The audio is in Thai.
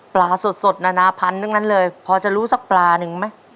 ปลาสดสดนานาพันธุ์ทั้งนั้นเลยพอจะรู้สักปลาหนึ่งไหม